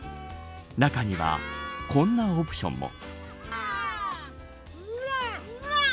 中にはこんなオプションも。